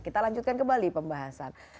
kita lanjutkan kembali pembahasan